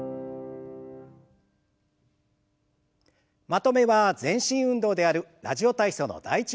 まとめは全身運動である「ラジオ体操」の「第１」を行います。